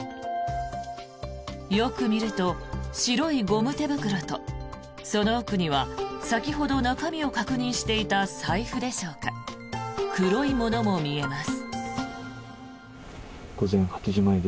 よく見ると、白いゴム手袋とその奥には先ほど中身を確認していた財布でしょうか黒いものも見えます。